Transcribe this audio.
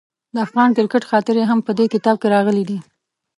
د افغان کرکټ خاطرې هم په دې کتاب کې راغلي دي.